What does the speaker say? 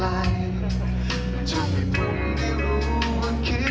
จะให้ผมได้รู้ว่าคิดถึงแต่คุณของข้างหน้า